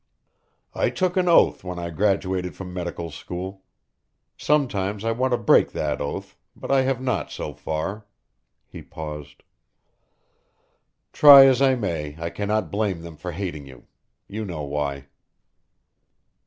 "I took an oath when I graduated from medical school. Sometimes I want to break that oath, but I have not so far." He paused. "Try as I may I cannot blame them for hating you. You know why."